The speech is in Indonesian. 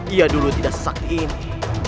ia dulu tidak sesak ini